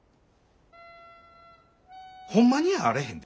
ほんまにやあれへんで。